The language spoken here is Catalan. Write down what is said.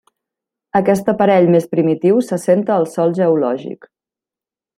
Aquest aparell més primitiu s'assenta al sòl geològic.